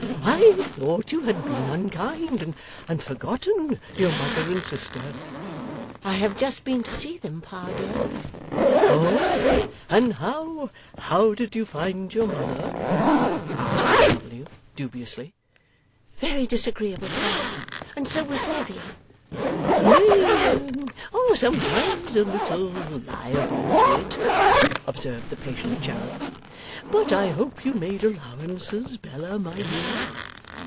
I thought you had been unkind and forgotten your mother and sister.' 'I have just been to see them, Pa dear.' 'Oh! and how how did you find your mother?' asked R. W., dubiously. 'Very disagreeable, Pa, and so was Lavvy.' 'They are sometimes a little liable to it,' observed the patient cherub; 'but I hope you made allowances, Bella, my dear?